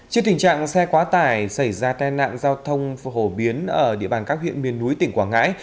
trước tình trạng xe quá tải xảy ra tai nạn giao thông phổ biến ở địa bàn các huyện miền núi tỉnh quảng ngãi